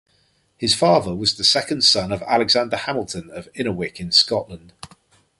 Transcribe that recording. His father was the second son of Alexander Hamilton of Innerwick in Scotland.